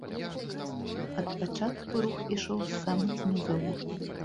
Ад пачатку рух ішоў з самых нізоў.